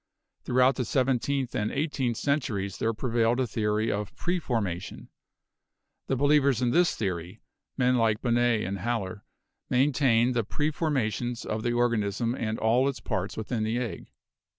Throughout the seventeenth and eighteenth cen turies there prevailed a theory of preformation. The be lievers in this theory, men like Bonnet and Haller, main tained the preformations of the organism and all its parts within the egg.